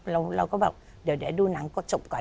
เราก็บอกเดี๋ยวดูหนังกดจบก่อน